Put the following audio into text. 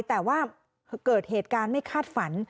แต่ว่าเกิดเหตุการณ์ไม่คาดฝัน